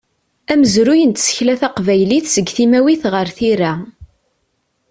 Amezruy n tsekla taqbaylit seg timawit ɣer tira.